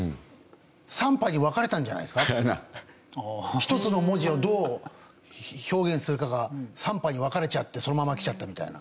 １つの文字をどう表現するかが３派に分かれちゃってそのままきちゃったみたいな。